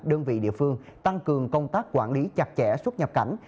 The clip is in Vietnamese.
đơn vị địa phương tăng cường công tác quản lý chặt chẽ xuất nhập cảnh